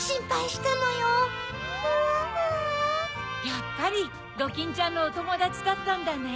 やっぱりドキンちゃんのおともだちだったんだね。